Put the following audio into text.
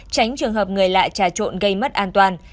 tránh trường hợp người lạ trà trộn gây mất an toàn